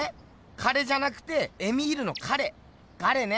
彼じゃなくてエミールの彼ガレね。